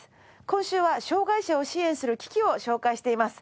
今週は障がい者を支援する機器を紹介しています。